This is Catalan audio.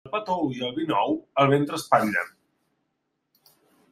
El pa tou i el vi nou el ventre espatllen.